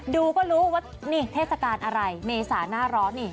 ดูก็รู้ว่านี่เทศกาลอะไรเมษาหน้าร้อนนี่